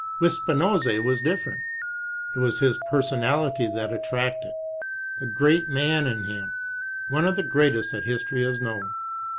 With Spinoza it was different It was his personality that attracted, the great man in him, one of the greatest that History has known.